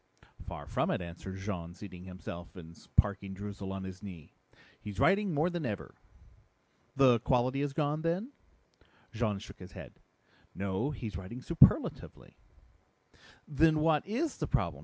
"Far from it," answered Jean, seating himself and parking Droozle on his knee. "He's writing more than ever." "The quality is gone, then?" Jean shook his head. "No, he's writing superlatively." "Then what is the problem?"